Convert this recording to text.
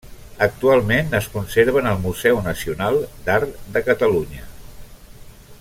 Actualment es conserven al Museu Nacional d'Art de Catalunya.